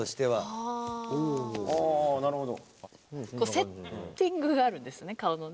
セッティングがあるんですね顔のね。